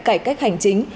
cải cách hành chính